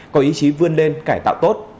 có ý chí vươn lên cải tạo tốt